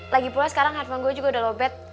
lagipula sekarang handphone gue juga udah lobet